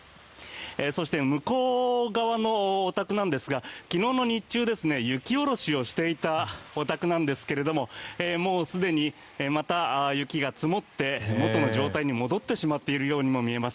そして向こう側のお宅なんですが昨日の日中、雪下ろしをしていたお宅なんですがもう、すでにまた雪が積もって元の状態に戻ってしまっているようにも見えます。